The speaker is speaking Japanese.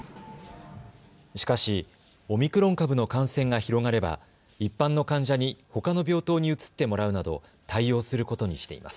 しかし、オミクロン株の感染が広がれば一般の患者に、ほかの病棟に移ってもらうなど対応することにしています。